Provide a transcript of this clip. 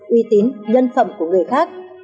uy tín nhân phẩm của người khác